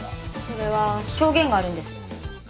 それは証言があるんです。